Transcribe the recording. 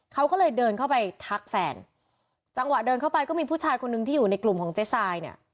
เขาก็เลยเดินเข้าไปทักแฟนจังหวะเดินเข้าไปก็มีผู้ชายคนนึงที่อยู่ในกลุ่มของเจ๊ทรายเนี่ย